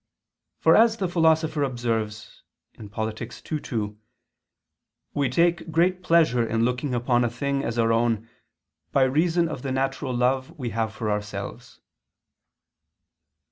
For as the Philosopher observes (Polit. ii, 2) "we take great pleasure in looking upon a thing as our own, by reason of the natural love we have for ourselves."